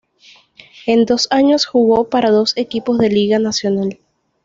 En dos años jugó para dos equipos de Liga Nacional